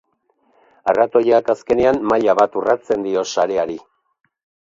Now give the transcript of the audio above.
Arratoiak azkenean maila bat urratzen dio sareari.